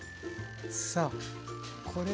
さあこれを。